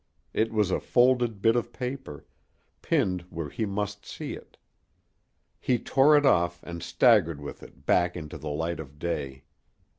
It was a folded bit of paper, pinned where he must see it. He tore it off and staggered with it back into the light of day.